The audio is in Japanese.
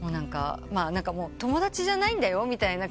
「友達じゃないんだよ」みたいな。